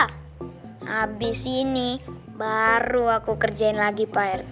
habis ini baru aku kerjain lagi pak